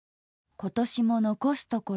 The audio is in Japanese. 今年も残すところ